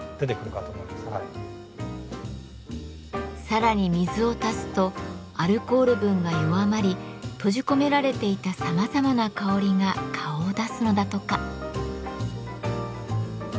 さらに水を足すとアルコール分が弱まり閉じ込められていたさまざまな香りが顔を出すのだとか。